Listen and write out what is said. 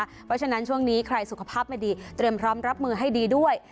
เพราะฉะนั้นช่วงนี้ใครสุขภาพไม่ดีเตรียมพร้อมรับมือให้ดีด้วย